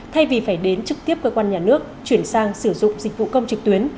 thay vì phải đến trực tiếp cơ quan nhà nước chuyển sang sử dụng dịch vụ công trực tuyến